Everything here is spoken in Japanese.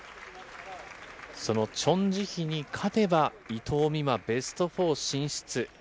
そのチョン・ジヒに勝てば、伊藤美誠、ベスト４進出。